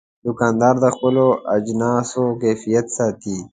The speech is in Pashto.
دوکاندار د خپلو اجناسو کیفیت ساتي.